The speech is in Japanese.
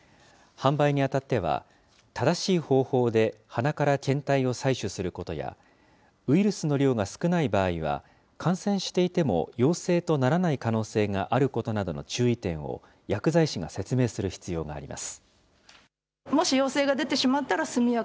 販売にあたっては正しい方法で鼻から検体を採取することや、ウイルスの量が少ない場合は感染していても陽性とならない可能性があることなどの注意点を薬剤師が説明する必要があります。